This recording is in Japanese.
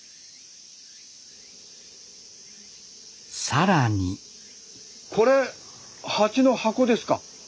更にこれ蜂の箱ですか？